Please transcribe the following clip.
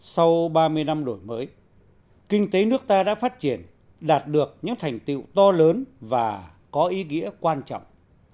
sau ba mươi năm đổi mới kinh tế nước ta đã phát triển đạt được những thành tiệu to lớn và có ý nghĩa quan trọng